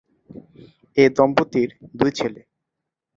এ দম্পতির দুই ছেলে।